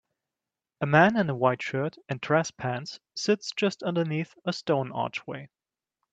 A man in a white shirt and dress pants sits just underneath a stone archway.